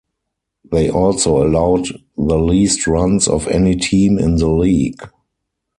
They also allowed the least runs of any team in the league.